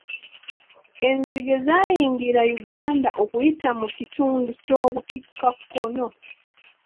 Enzige zaayingira Uganda okuyita mu kitundu ky'obukiikakkono.